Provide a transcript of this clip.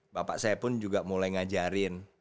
bapak saya pun juga mulai ngajarin